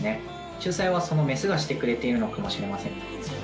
仲裁はそのメスがしてくれているのかもしれません。